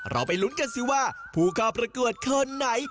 ไปลุ้นกันสิว่าผู้เข้าประกวดคนไหน